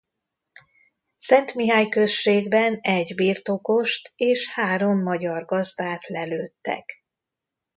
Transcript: Szentmihály községben egy birtokost és három magyar gazdát lelőttek.